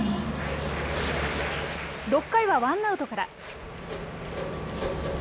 ６回はワンアウトから。